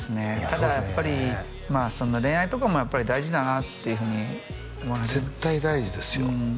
ただやっぱり恋愛とかもやっぱり大事だなっていうふうに絶対大事ですようん